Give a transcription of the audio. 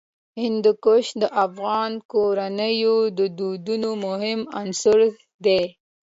هندوکش د افغان کورنیو د دودونو مهم عنصر دی.